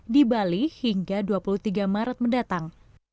di bali hingga dua puluh tiga maret mendatang